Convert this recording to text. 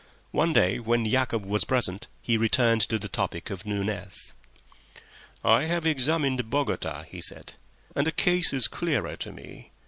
One day when Yacob was present he returned to the topic of Nunez. "I have examined Nunez," he said, "and the case is clearer to me.